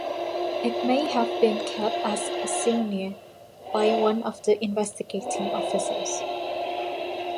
It may have been kept as a souvenir by one of the investigating officers.